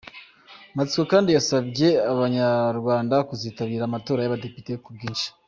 Matsiko kandi yasabye abanyarwanda kuzitabira amatora y’abadepite ku bwinshi.